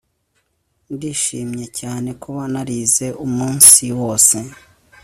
Ndishimye cyane kuba narize umunsi wose